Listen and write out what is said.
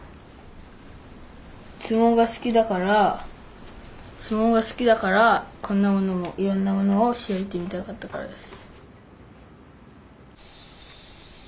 相撲が好きだから相撲が好きだからいろんなものを調べてみたかったからです。